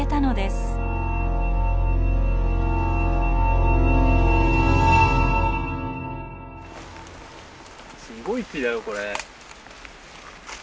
すごい木だよこれ。